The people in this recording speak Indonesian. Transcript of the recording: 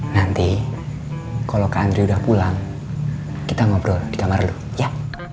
nanti kalau kan udah pulang kita ngobrol di kamar ya